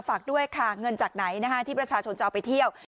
ฝากด้วยค่ะเงินจากไหนที่ประชาชนจะเอาไปเที่ยว